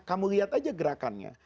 kamu lihat aja gerakannya